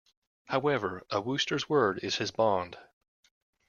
However, a Wooster's word is his bond.